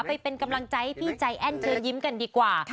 ไปเป็นกำลังใจให้พี่ใจแอ้นเชิญยิ้มกันดีกว่า